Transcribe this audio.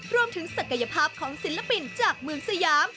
ศักยภาพของศิลปินจากเมืองสยาม